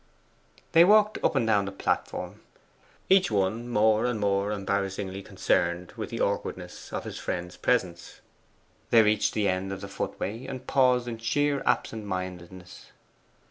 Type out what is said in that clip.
They walked up and down the platform, each one more and more embarrassingly concerned with the awkwardness of his friend's presence. They reached the end of the footway, and paused in sheer absent mindedness.